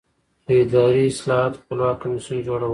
د اداري اصلاحاتو خپلواک کمیسیون جوړول.